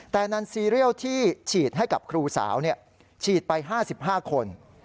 แต่นันซีเรียลที่ฉีดให้กับครูสาวฉีดไป๕๕คน